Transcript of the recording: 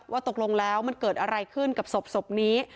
ตกลงแล้วมันเกิดอะไรขึ้นกับศพนี้